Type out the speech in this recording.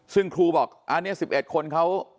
ซึ่งครูบอกอันนี้๑๑คนเขา